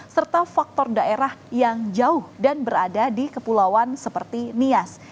serta faktor daerah yang jauh dan berada di kepulauan seperti nias